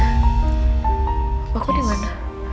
papa aku di mana